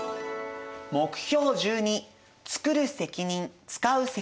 目標１２「つくる責任つかう責任」。